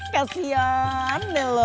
kasian deh lo